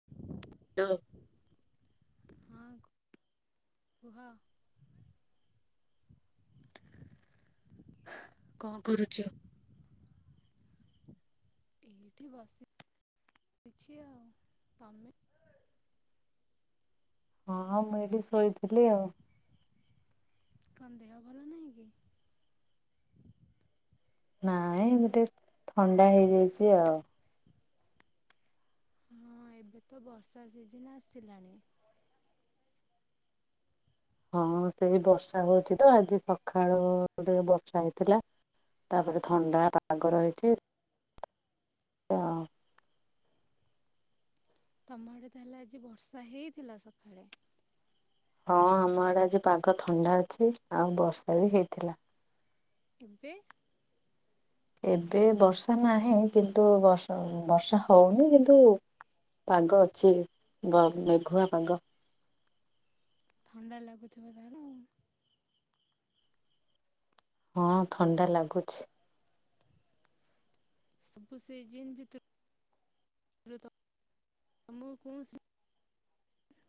ହ [unintelligible] ଡୋ ହ କୁହ କଣ କରୁଚ? ଏଇଠି ବସିଛି ଆଉ ତମେ? ହଁ ମୁଁ ଏଠି ଶୋଇଥିଲି ଆଉ କଣ ଦେହ ଭଲ ନାହିଁ କି? ନାଇଁ ଗଟେ ଥଣ୍ଡା ହେଇଯାଇଛି ଆଉ ହଁ ଏବେ ତ ବର୍ଷା ସିଜନ୍ ଆସିଲାଣି ହଁ ସେଇ ବର୍ଷା ହଉଛି ତ ଆଜି ସଖାଳୁ ଟିକେ ବର୍ଷା ହେଇଥିଲା ତାପରେ ଥଣ୍ଡା ପାଗ ରହିକି। ହଁ [unintelligible] ତମ ଆଡେ ତାହଲେ ଆଜି ବର୍ଷା ହେଇଥିଲା ସଖାଳେ? ହଁ ଆମ ଆଡେ ଆଜି ପାଗ ଥଣ୍ଡା ଅଛି ଆଉ ବର୍ଷା ବି ହେଇଥିଲା ଏବେ? ଏବେ ବର୍ଷା ନାହିଁ କିନ୍ତୁ ବର୍ଷ ବର୍ଷା ହଉନି କିନ୍ତୁ ପାଗ ଅଛି ଗ ମେଘୁଆ ପାଗ ଥଣ୍ଡା ଲାଗୁଥିବ ତାହଲେ ଆଉ ହଁ ଥଣ୍ଡା ଲାଗୁଛି। ସବୁ ସେ ଜିନ୍ ଭିତରୁ [unintelligible] ମୁଁ କୌଣସି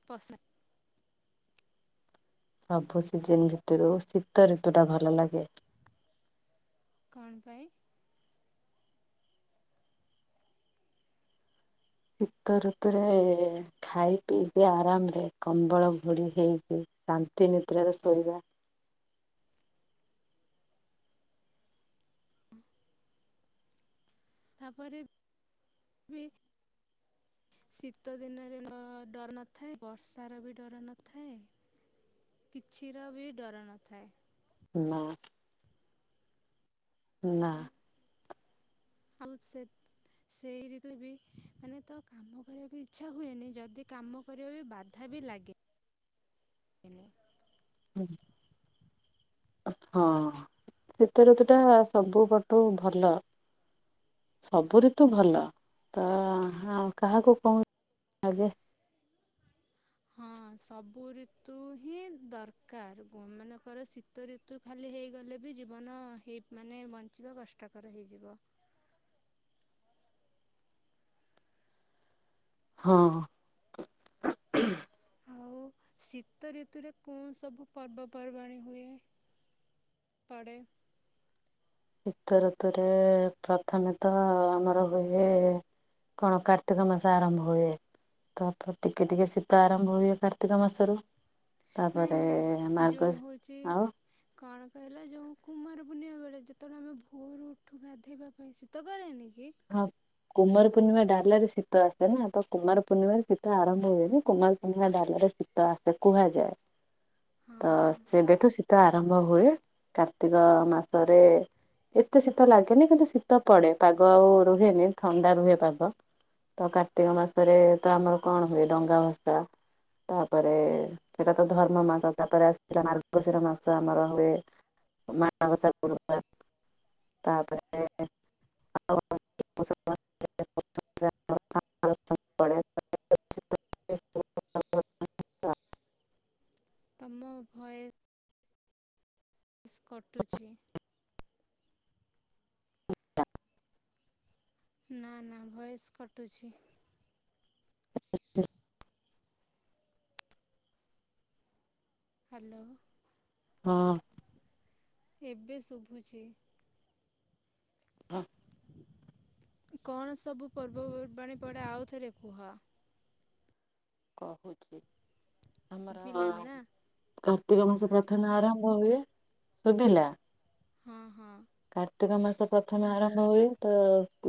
ପସଆ [unintelligible] ସବୁ ସିଜନ ଭିତରୁ ଶୀତ ଋତୁ ଟା ଭଲ ଲାଗେ। କଣ ପାଇଁ? ସୀତ ରୁତୁ ରେ ଖାଇ ପିଇକି ଆରାମ ରେ କମ୍ବଳ ଘୋଡି ହେଇକି ଶାନ୍ତି ନିଦ୍ରାରେ ଶୋଇବା ତାପରେ ବି ଶୀତ ଦିନରେ ଅ ଡର ନଥାଏ ବର୍ଷାର ବି ଡର ନଥାଏ। କିଛିର ବି ଡର ନଥାଏ। [inaudible] ନା, [inaudible] ସେଇ ଋତୁରେ ବି ମାନେ ତ କାମ କରିବାକୁ ଇଛା ହୁଏନି ଯଦି କାମ କରିବା ବି ବାଧା ବି ଲାଗେ। ଏନି [inaudible] ହୁଁ ହଁ, ଶୀତ ଋତୁ ଟା ସବୁ ପଟୁ ଭଲ। ସବୁ ଋତୁ ଭଲ, ତ ହାଁ କାହାକୁ କଣ ଲାଗେ। ହଁ ସବୁ ଋତୁ ହିଁ ଦରକାର ମନେକର ଶୀତ ଋତ ତୁ ଖାଲି ହେଇଗଲେ ବି ଜୀବନ ହେଇ ମାନେ ବଞ୍ଚିବା କଷ୍ଟକର ହେଇଯିବ। ହଁ ହଉ ଶୀତ ଋତୁରେ କଣ ସବୁ ପର୍ବପର୍ବାଣି ହୁଏ? ପାଡ଼େ। ଶୀତ ଋତୁରେ ପ୍ରଥମେ ତ ଆମର ହୁଏ - କଣ କାର୍ତ୍ତିକ ମାସ ଆରମ୍ଭ ହୁଏ, ତାପରେ ଟିକେ ଟିକେ ଶୀତ ଆରମ୍ଭ ହୁଏ କାର୍ତ୍ତିକ ମାସରୁ, ନାଇଁ ତାପରେ ନାଇଁ ଯୋଉ ମାର୍ଗଶୀ ହଉଛି ଆଉ କଣ କହିଲ ଯୋଉ କୁମାର ପୂର୍ଣ୍ଣମା ବେଳେ ଯେତେବେଳେ ଆମେ ଭୋରୁ ଉଠୁ ଗାଧେଇବା ପାଇଁ ଶୀତ କରେନି କି? ହଁ କୁମାର ପୂର୍ଣ୍ଣିମା ଡାଲାରେ ଶୀତ ଆସେ ନା ତ କୁମାର ପୂର୍ଣିମାରେ ଶୀତ ଆରମ୍ଭ ହୁଏନି, କୁମାର ପର୍ଣିମା ଡାଲାରେ ଶୀ ତ ଆସେ କୁହାଯାଏ। [inaudible] ହଁ ତ ହଁ ସେବେଠୁ ଶୀତ ଆରମ୍ଭ ହୁଏ, କାର୍ତ୍ତିକ ମାସରେ ଏତେ ଶୀତ ଲାଗେନି କିନ୍ତୁ ଶୀତ ପଡେ, ପାଗ ଆଉ ରୁହେନି ଥଣ୍ଡା ରୁହେ ପାଗ। ତ କାର୍ତ୍ତିକ ମାସରେ ତ ଆମର କଣ ହୁଏ? ଡଙ୍ଗା ଭଷା। ତାପରେ ସେଟା ତ ଧର୍ମ ମାସ ତାପରେ ଶିଥିଲା ମାର ମାର୍ଗଶିର ମାସ ଆମର ହୁଏ। ମାନ ବସା ଗୁରୁବାର, ତାପରେ [unintelligible] [unintelligible] ତମ ଭୋଏ ସ୍ କଟୁଛି, ନା ନା ଭୋଏସ୍ କଟୁଛି। [inaudible] ହାଲୋ। ହା ଏବେ ଶୁଭୁଛି। ଆ କଣ ସବୁ ପର୍ବପର୍ବାଣୀ ପଡ଼େ ଆଉଥରେ କୁହ। କହୁଚି। ଶୁଭିଲାନି ନା, କାର୍ତ୍ତିକ ମାସ ପ୍ରଥମେ ଆରମ୍ଭ ହୁଏ, ଶୁଭିଲା? ହଁ ହଁ। କାର୍ତ୍ତିକ ମାସ ପ୍ରଥମେ ଆରମ୍ଭ ହୁଏ, ତ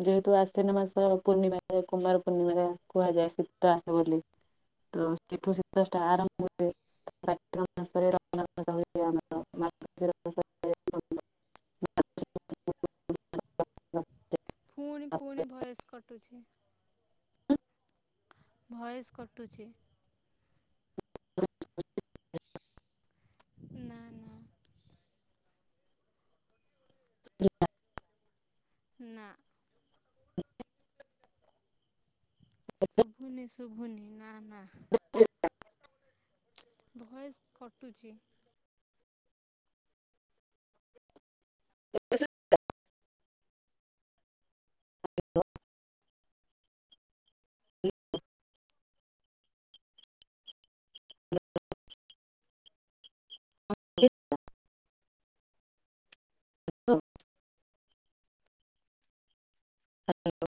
ଯେହେତୁ ଆଶ୍ଵିନ ମାସ ପୂର୍ଣ୍ଣିମା ଏ କୁମାର ପୂର୍ଣ୍ଣିମା ଯାଏ କୁହାଯାଏ ଶୀତ ଆସେ ବୋଲି। ଏଥୁରୁ ସେଇଠୁ ଶୀତ ଷ୍ଟା ଆରମ୍ଭ ହୁଏ କାର୍ତ୍ତିକ ମାସରେ ର କୁମାର ପୁର୍ଣିମା ହୁଏ ଆମର, ମାର୍ଗଶିର ମାସ। ପୁଣି ପୁଣି ଭୋଏସ୍ କଟୁଛି, ଭୋଏସ କଟୁଛି। [inaudible] ନା ନା [unintelligible] ନା [inaudible] ଶୁଭୁନି ଶୁଭୁନି ନା ନା [inaudible] ଭଏସ୍ କଟୁଚି। ଏବେ ଶୁଗିଲା? [inaudible] [inaudible] ହାଲୋ